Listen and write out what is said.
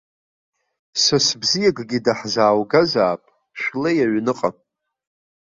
Сас бзиакгьы даҳзааугазаап, шәлеи аҩныҟа.